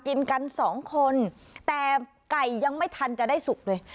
กินกันสองคนแต่ไก่ยังไม่ทันจะได้สุกเลย